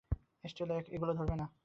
Stella, এগুলো ধরবে না না, না।